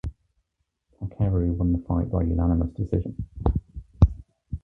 Takeru won the fight by unanimous decision.